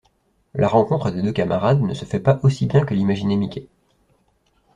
La rencontre des deux camarades ne se fait pas aussi bien que l'imaginait Mickey.